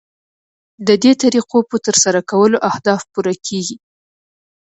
ددې طریقو په ترسره کولو اهداف پوره کیږي.